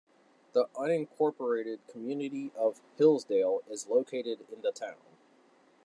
The unincorporated community of Hillsdale is located in the town.